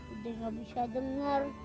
udah nggak bisa denger